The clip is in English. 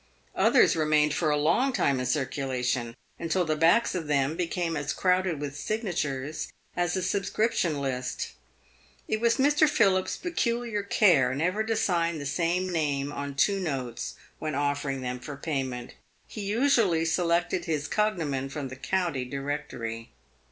Others remained for a long time in circulation, until the backs of them became as crowded with signatures as a subscription list. It was Mr. Philip's peculiar care never to sign the same name on two notes when offering them for payment. He usually selected his cog nomen from the County Directory.